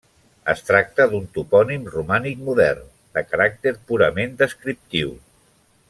Es tracta d'un topònim romànic modern, de caràcter purament descriptiu.